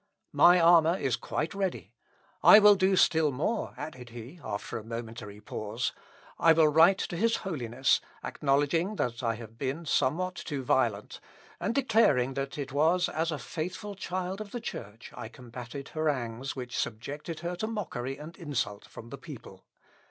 My armour is quite ready. I will do still more," added he, after a momentary pause, "I will write his Holiness, acknowledging that I have been somewhat too violent, and declaring that it was as a faithful child of the Church I combated harangues which subjected her to mockery and insult from the people.